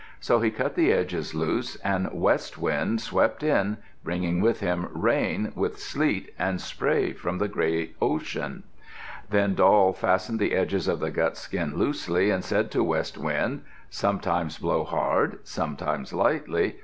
So he cut the edges loose, and West Wind swept in, bringing with him rain, with sleet and spray from the gray ocean. Then Doll fastened the edges of the gut skin loosely, and said to West Wind, "Sometimes blow hard, sometimes lightly.